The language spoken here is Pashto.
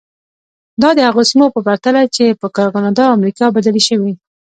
دا د هغو سیمو په پرتله چې پر کاناډا او امریکا بدلې شوې.